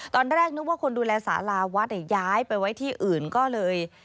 ตอนแรกนึกว่าคนดูแลสาราวัดย้ายไปไว้ที่อื่นก็เลย